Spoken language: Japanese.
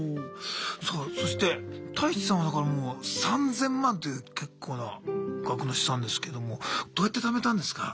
さあそしてタイチさんはだからもう３０００万という結構な額の資産ですけどもどうやって貯めたんですか？